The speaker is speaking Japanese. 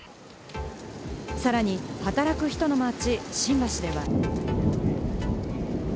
さらに働く人の街・新橋では。